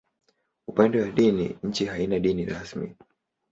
Upande wa dini, nchi haina dini rasmi.